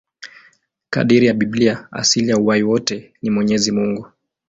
Kadiri ya Biblia, asili ya uhai wote ni Mwenyezi Mungu.